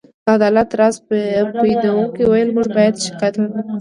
د عدالت راز پيژندونکو وویل: موږ باید شکایت ونه کړو.